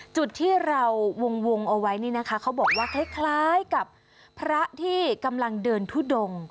จุดที่เราวงเอาไว้นี่นะคะเขาบอกว่าคล้ายกับพระที่กำลังเดินทุดง